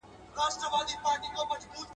• اوړه يو مټ نه لري، تنور ئې پر بام جوړ کړی دئ.